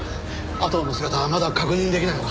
阿藤の姿はまだ確認できないのか？